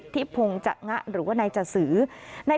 ที่เคย